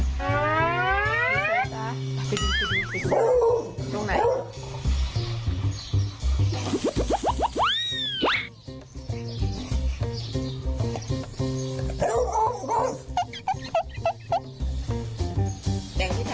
สิ่งสุดนะ